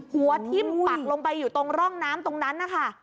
หัวทิ้มปักลงไปอยู่ตรงร่องน้ำตรงนั้นนะคะ